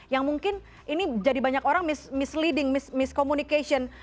yang mungkin ini jadi banyak orang misleading miskomunikasi